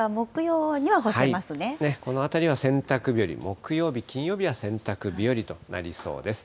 このあたりは洗濯日和、木曜日、金曜日は洗濯日和となりそうです。